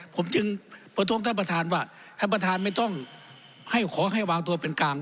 ผมจึงประท้วงท่านประธานว่าท่านประธานไม่ต้องให้ขอให้วางตัวเป็นกลาง